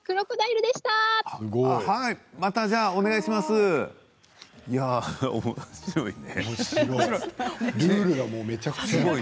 ルールがめちゃくちゃ。